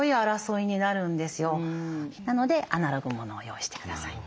なのでアナログものを用意して下さい。